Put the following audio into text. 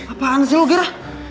apaan sih lu gira